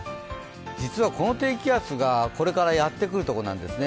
実はこの低気圧がこれからやってくるところなんですね。